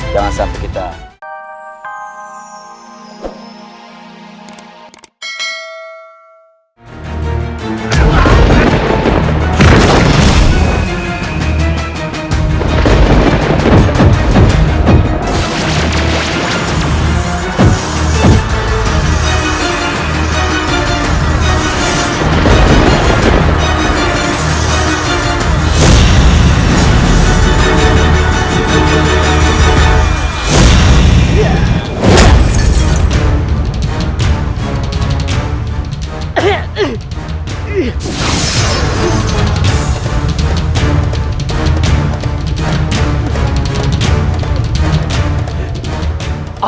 jangan sampai kita